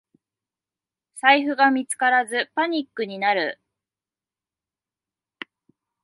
財布が見つからずパニックになる